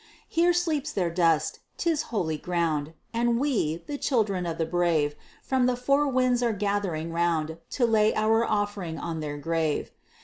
Here sleeps their dust: 'tis holy ground: And we, the children of the brave, From the four winds are gathering round, To lay our offering on their grave.